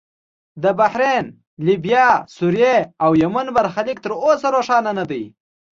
د بحرین، لیبیا، سوریې او یمن برخلیک تر اوسه روښانه نه دی.